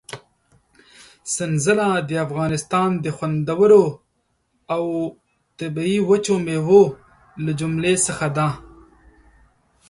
سنځله د افغانستان د خوندورو او طبي وچو مېوو له جملې څخه ده.